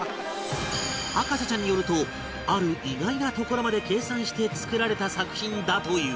博士ちゃんによるとある意外なところまで計算して作られた作品だという